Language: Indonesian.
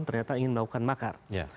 ternyata ingin melakukan makar